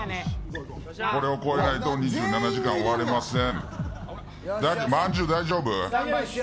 これを超えないと２７時間、終われません。